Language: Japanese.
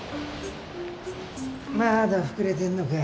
まだ膨れてんのか？